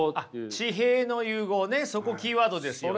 地平の融合ねそこキーワードですよね。